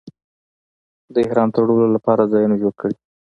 د احرام تړلو لپاره ځایونه جوړ کړي.